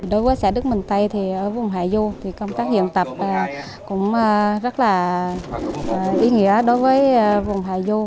đối với xã đức bình tây ở vùng hạ du công tác diễn tập cũng rất là ý nghĩa đối với vùng hạ du